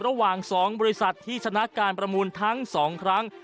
ระหว่าง๒บริษัทที่ชนะการประมูลทั้ง๒ครั้ง